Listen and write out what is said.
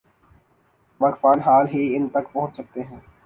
واقفان حال ہی ان تک پہنچ سکتے ہیں۔